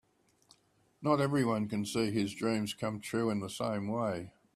Not everyone can see his dreams come true in the same way.